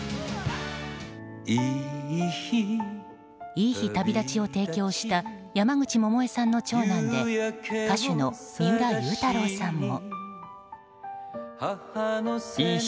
「いい日旅立ち」を提供した山口百恵さんの長男で歌手の三浦祐太朗さんも。